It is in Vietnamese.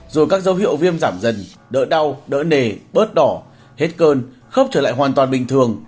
rồi các dấu hiệu viêm giảm dần đỡ đau đỡ nề bớt đỏ hết cơn khớp trở lại hoàn toàn bình thường